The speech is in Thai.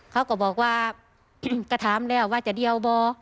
เขาก็บอกว่าก็ถามแล้วว่าจะเดียวบ่